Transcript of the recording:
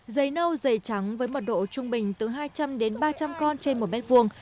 dày nâu dày trắng với mật độ trung bình từ hai trăm linh đến ba trăm linh con trên một mét vuông